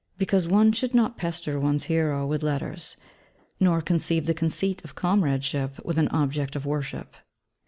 Because one should not pester one's hero with letters, nor conceive the conceit of comradeship with an object of worship.